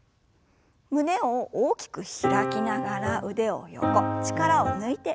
胸を大きく開きながら腕を横力を抜いて振りほぐします。